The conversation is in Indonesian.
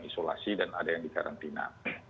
isolasi dan ada yang di karantina